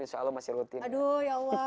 insya allah masih rutin aduh ya allah